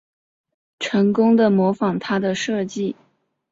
成功的模仿他的设计